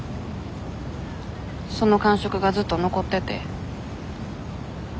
その感触がずっと残ってて。